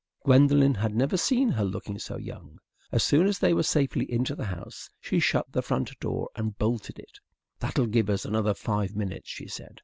Gwendolen had never seen her looking so young. As soon as they were safely in the house, she shut the front door and bolted it. "That'll give us another five minutes," she said.